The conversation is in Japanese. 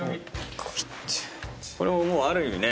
これもある意味ね